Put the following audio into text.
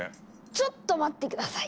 ちょっと待って下さい。